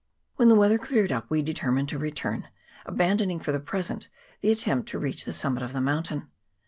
When the weather cleared up we determined to return, abandoning, for the present, the attempt to reach the summit of the mountain.